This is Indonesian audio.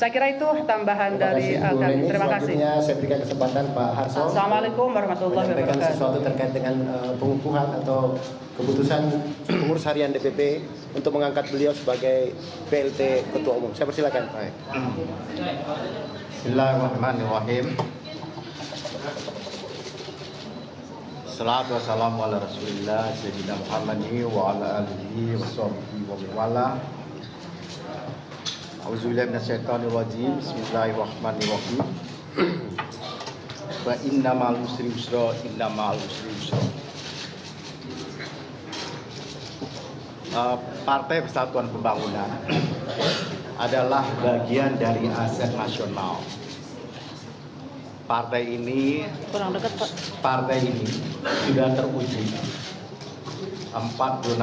kepada pemerintah saya ingin mengucapkan terima kasih kepada pemerintah pemerintah yang telah menonton